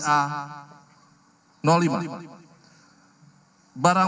barang bukti dari ps alias perong alias wabi irawan